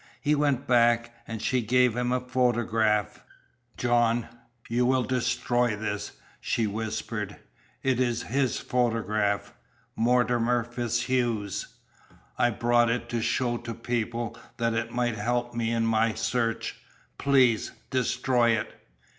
He went back, and she gave him a photograph. "John, you will destroy this," she whispered. "It is his photograph Mortimer FitzHugh's. I brought it to show to people, that it might help me in my search. Please destroy it!"